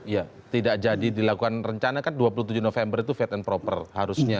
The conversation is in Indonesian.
ya tidak jadi dilakukan rencana kan dua puluh tujuh november itu fit and proper harusnya